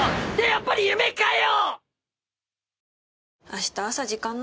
やっぱり夢かよ！！